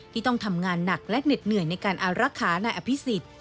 ที่ต้องทำงานหนักและเหน็ดเหนื่อยในการอารักษานายอภิษฎ